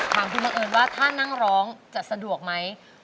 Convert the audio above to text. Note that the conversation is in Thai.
ถามคุณบังเอิญว่าถ้านั่งร้องจะสะดวกไหม